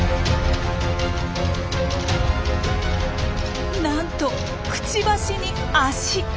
なんとくちばしに足。